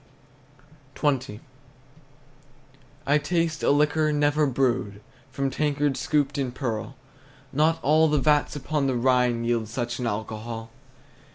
XX. I taste a liquor never brewed, From tankards scooped in pearl; Not all the vats upon the Rhine Yield such an alcohol!